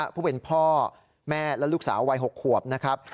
ผู้เป็นพ่อแม่และลูกสาววัย๖ขวบนะครับ